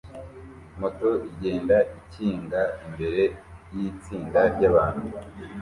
Moto igenda ikinga imbere yitsinda ryabantu